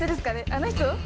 あの人？